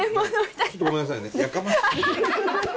ちょっとごめんなさいね。